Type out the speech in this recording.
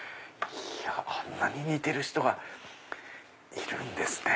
いやあんなに似てる人がいるんですね。